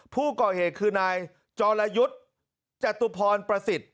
ผู้ก่อเหตุคือนายจอลายุทจตุพรพระศิษย์